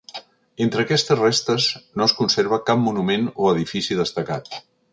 Entre aquestes restes no es conserva cap monument o edifici destacat.